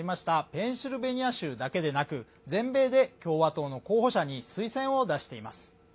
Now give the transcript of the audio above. ペンシルベニア州だけでなく全米で共和党の候補者に推薦を出しています。